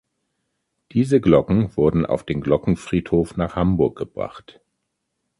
Diese Glocken wurden auf den Glockenfriedhof nach Hamburg gebracht.